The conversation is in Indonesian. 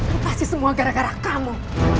ini pasti semua gara gara kamu